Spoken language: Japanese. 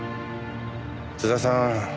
津田さん